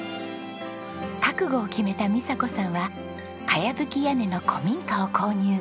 覚悟を決めた美佐子さんは茅葺き屋根の古民家を購入。